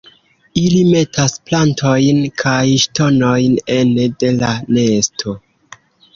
Ili metas plantojn kaj ŝtonojn ene de la nesto.